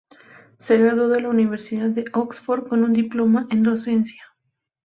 Se graduó de la Universidad de Oxford, con un diploma en docencia.